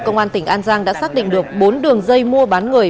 công an tỉnh an giang đã xác định được bốn đường dây mua bán người